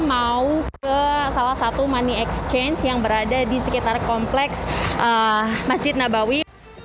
mau ke salah satu money exchange yang berada di sekitar kompleks masjid nabawi